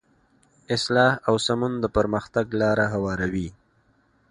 اصلاح او سمون د پرمختګ لاره هواروي.